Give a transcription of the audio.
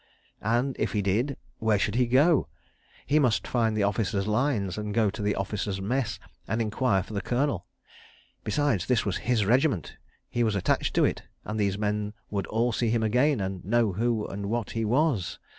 And if he did, where should he go? He must find the Officers' Lines, and go to the Officers' Mess and inquire for the Colonel. Besides, this was his regiment; he was attached to it, and these men would all see him again and know who and what he was.